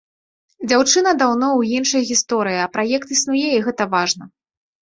Дзяўчына даўно ў іншай гісторыі, а праект існуе, і гэта важна.